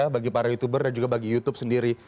bagi para youtuber dan juga bagi youtube sendiri